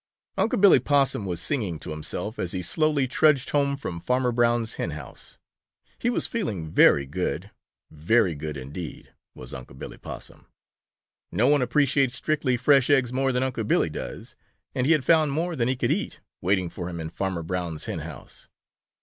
Unc' Billy Possum was singing to himself, as he slowly trudged home from Farmer Brown's hen house. He was feeling very good, very good indeed, was Unc' Billy Possum. No one appreciates strictly fresh eggs more than Unc' Billy does, and he had found more than he could eat waiting for him in Farmer Brown's hen house.